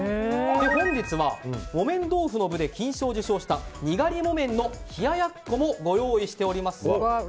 本日は木綿豆腐の部で優勝したにがり木綿の冷ややっこもご用意しております。